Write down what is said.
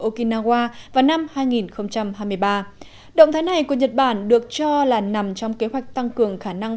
okinawa vào năm hai nghìn hai mươi ba động thái này của nhật bản được cho là nằm trong kế hoạch tăng cường khả năng